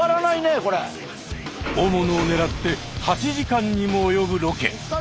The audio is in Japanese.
大物をねらって８時間にも及ぶロケ！